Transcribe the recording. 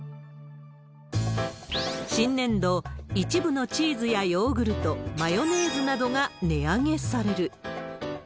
新年度、一部のチーズやヨーグルト、マヨネーズなどが値上げされる。